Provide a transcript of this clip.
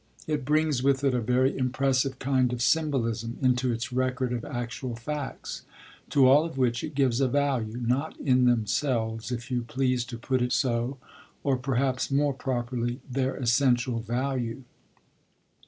It brings with it a very impressive kind of symbolism into its record of actual facts, to all of which it gives a value, not in themselves, if you please to put it so, or, perhaps more properly, their essential value.